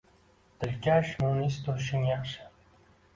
Dilkash, munis turishing yaxshi.